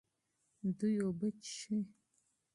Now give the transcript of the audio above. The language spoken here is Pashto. دوی اوبه څښي.